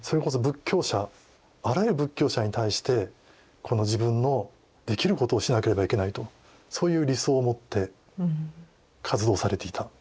あらゆる仏教者に対してこの自分のできることをしなければいけないとそういう理想をもって活動されていた。